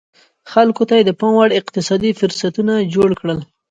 خلکو ته یې د پام وړ اقتصادي فرصتونه جوړ کړل